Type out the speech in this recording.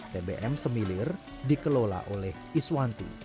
tbm semilir dikelola oleh iswanti